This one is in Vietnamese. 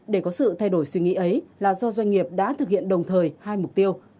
để có sự thay đổi suy nghĩ ấy là do doanh nghiệp đã thực hiện đồng thời hai mục tiêu